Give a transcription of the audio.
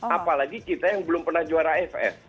apalagi kita yang belum pernah juara fs